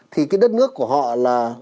thì cái đất nước của họ là